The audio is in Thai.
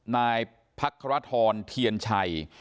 พภลธเทียนชัย